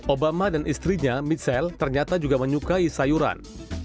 obama dan istrinya midsele ternyata juga menyukai sayuran